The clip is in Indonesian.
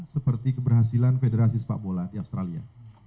seperti keberhasilan federasi sepak bola di australia